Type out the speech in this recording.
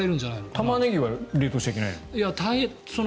タマネギは冷凍しちゃいけないの？